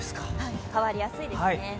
変わりやすいですね。